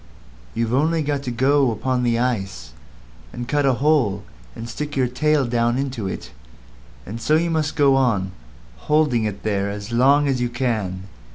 You've only got to go upon the ice, and cut a hole and stick your tail down into it; and so you must go on holding it there as long as you can.